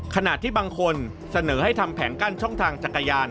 ขณะที่บางคนเสนอให้ทำแผงกั้นช่องทางจักรยาน